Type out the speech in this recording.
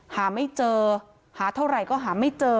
หาไม่เจอหาเท่าไหร่ก็หาไม่เจอ